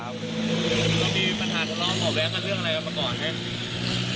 เรื่องอะไรกับประกอบเนี่ย